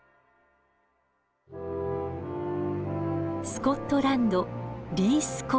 スコットランドリース港。